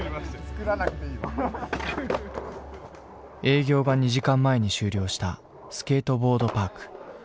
営業が２時間前に終了したスケートボードパーク。